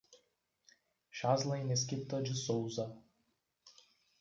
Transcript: Chaslen Mesquita de Sousa